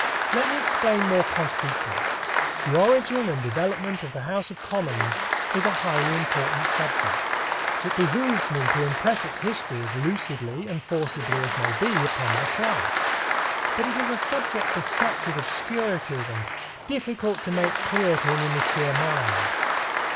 Let me explain more concretely. The origin and development of the House of Commons is a highly important subject. It behooves me to impress its history as lucidly and forcibly as may be upon my class. But it is a subject beset with obscurities and difficult to make clear to an immature mind.